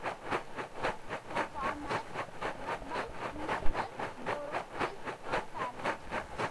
The former Rugby Municipal Borough is unparished.